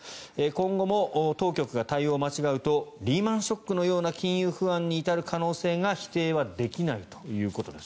今後も当局が対応を間違うとリーマン・ショックのような金融不安に至る可能性が否定はできないということです。